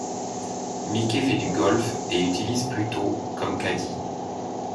Mickey fait du golf et utilise Pluto comme caddy.